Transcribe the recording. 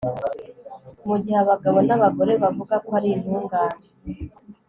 mu gihe abagabo n'abagore bavuga ko ari intungane